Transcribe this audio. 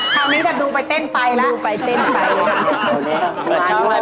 คราวนี้ดันดูไปเต้นไปแล้วดูไปเต้นไปแล้ว